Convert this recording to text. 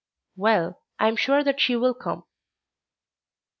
"Well, I am sure that she will come."